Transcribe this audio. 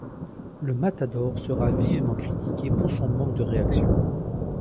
Le matador sera vivement critiqué pour son manque de réaction.